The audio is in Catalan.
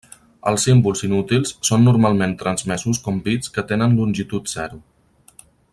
Els símbols inútils són normalment transmesos com bits que tenen longitud zero.